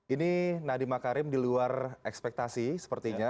ini nadiem makarim di luar ekspektasi sepertinya